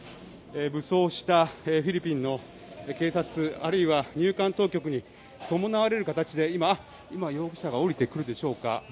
武装したフィリピンの警察あるいは入管当局に伴われる形で今、容疑者が降りてくるでしょうか。